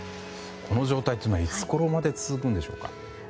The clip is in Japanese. この状態はいつごろまで続くんでしょうか。